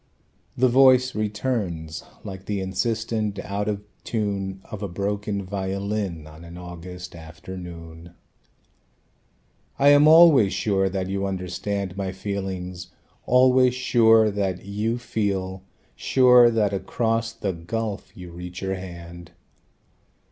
The voice returns like the insistent out of tune Of a broken violin on an August afternoon: "I am always sure that you understand My feelings, always sure that you feel, Sure that across the gulf you reach your hand.